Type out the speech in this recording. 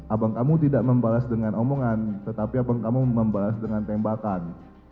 abang kamu tidak membalas dengan omongan tetapi abang kamu membalas dengan tembakan